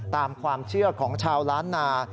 ตามความเชื่อของชาวล้านนา